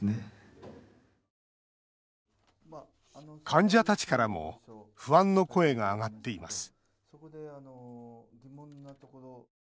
患者たちからも不安の声が上がっています